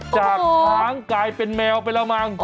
จากช้างกลายเป็นแมวไปแล้วมั้ง